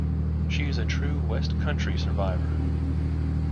She is a true west country survivor.